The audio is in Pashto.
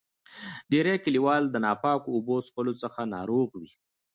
ډیری کلیوال د ناپاکو اوبو چیښلو څخه ناروغ وي.